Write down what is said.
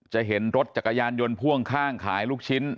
เห็นรถจักรยานยนต์พ่วงข้างขายลูกชิ้น